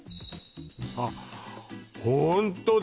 あっホントだ！